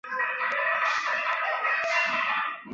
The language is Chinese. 这份报告的内容之后成为了联邦快递营运的构想。